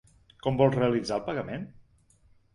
Com vol realitzar el pagament?